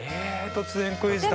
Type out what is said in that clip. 突然クイズだ。